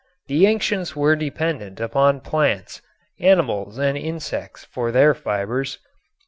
The ancients were dependent upon plants, animals and insects for their fibers.